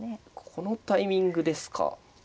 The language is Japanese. このタイミングですか。